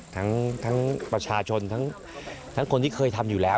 ทั้งประชาชนทั้งคนที่เคยทำอยู่แล้ว